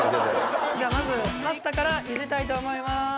じゃまずパスタからゆでたいと思います。